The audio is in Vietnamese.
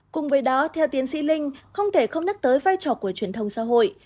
cùng với đó theo tiến sĩ linh không thể không nhắc tới vai trò của truyền thông xã hội